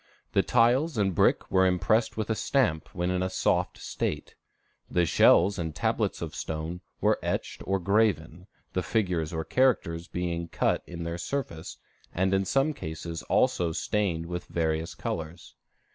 The tiles and brick were impressed with a stamp when in a soft state; the shells and tablets of stone were etched or graven, the figures or characters being cut in their surface, and in some cases also stained with various colors.